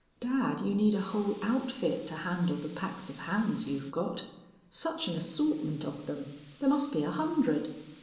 "Dad, you need a whole outfit to handle the packs of hounds you've got. Such an assortment of them! There must be a hundred.